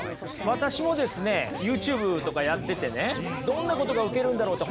私もですねＹｏｕＴｕｂｅとかやっててねどんなことがウケるんだろうって